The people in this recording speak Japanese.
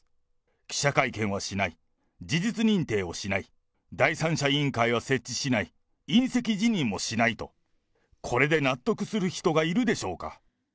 記者会見はしない、事実認定をしない、第三者委員会は設置しない、引責辞任もしないと、これで納得する人がいるでしょうか。